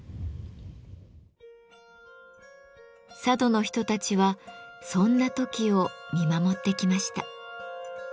佐渡の人たちはそんなトキを見守ってきました。